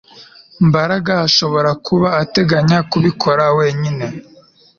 Mbaraga ashobora kuba ateganya kubikora wenyine